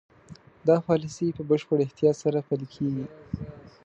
دا پالیسي په بشپړ احتیاط سره پلي کېږي.